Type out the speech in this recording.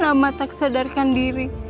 lama tak sadarkan diri